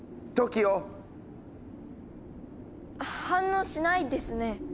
反応しないですね。